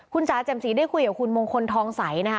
คุณจ๋าแจ่มสีได้คุยกับคุณมงคลทองใสนะคะ